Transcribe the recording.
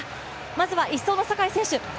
まずは１走の坂井選手。